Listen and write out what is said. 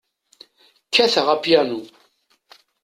Kkateɣ apyanu.